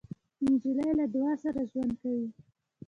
نجلۍ له دعا سره ژوند کوي.